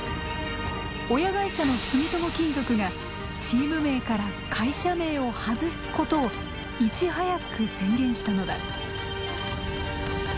親会社の住友金属がチーム名から会社名を外すことをいち早く宣言したのだ。